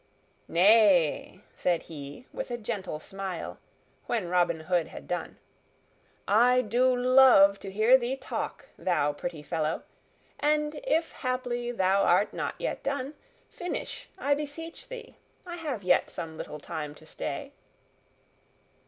"Nay," said he with a gentle smile, when Robin Hood had done, "I do love to hear thee talk, thou pretty fellow, and if, haply, thou art not yet done, finish, I beseech thee. I have yet some little time to stay."